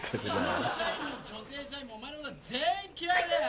女性社員もお前のこと全員嫌いだよ！